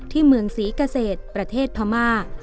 ที่เมืองศรีเกษตรประเทศธรรมา